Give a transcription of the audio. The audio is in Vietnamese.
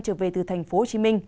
trở về từ tp hcm